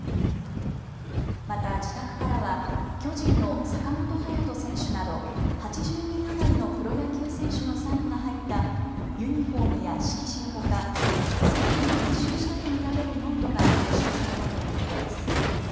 また自宅からは巨人の坂本勇人選手など８０人余りのプロ野球選手のサインが入ったユニフォームや色紙のほかサインを練習したと見られるノートが押収されたということです。